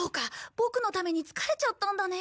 ボクのために疲れちゃったんだね。